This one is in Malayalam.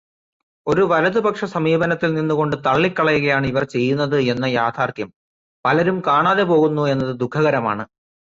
ഒരു വലതുപക്ഷസമീപനത്തിൽ നിന്നു കൊണ്ട് തള്ളിക്കളയുകയാണ് ഇവർ ചെയ്യുന്നത് എന്ന യാഥാർഥ്യം പലരും കാണാതെ പോകുന്നു എന്നത് ദുഃഖകരമാണ്.